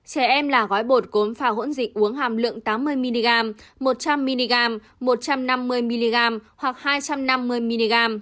trẻ em là gói bột cốm phà hỗn dịch uống hàm lượng tám mươi mg một trăm linh mg một trăm năm mươi mg hoặc hai trăm năm mươi mg